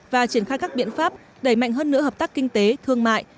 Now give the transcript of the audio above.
và triển khai các biện pháp đẩy mạnh hơn nữa hợp tác kinh tế thương mại